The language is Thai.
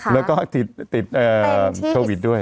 แล้วก็ติดโควิดด้วย